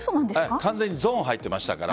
完全にゾーンに入っていました。